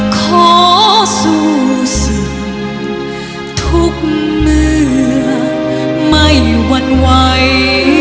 ขอสู้ศึกทุกเมื่อไม่หวั่นไหว